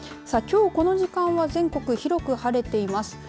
きょう、この時間は全国広く晴れています。